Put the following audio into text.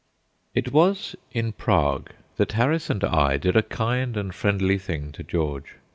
It was in Prague that Harris and I did a kind and friendly thing to George.